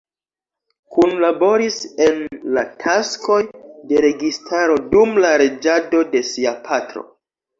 Kunlaboris en la taskoj de registaro dum la reĝado de sia patro.